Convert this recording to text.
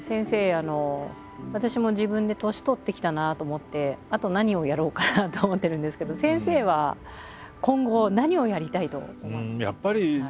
あの私も自分で年取ってきたなと思ってあと何をやろうかなと思ってるんですけど先生は今後何をやりたいと。